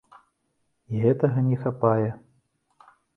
І гэтага не хапае.